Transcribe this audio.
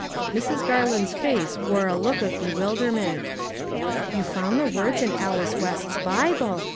Mrs. Garland's face wore a look of bewilder * ment. " You found the words in Alice West's Bible